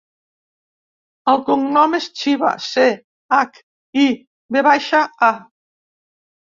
El cognom és Chiva: ce, hac, i, ve baixa, a.